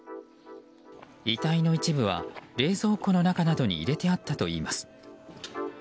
遺体の一部は冷蔵庫の中などに入れてあったといいます。